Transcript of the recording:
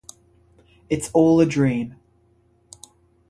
It's All a Dream!